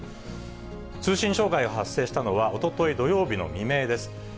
通信障害が発生したのは、おととい土曜日の未明です。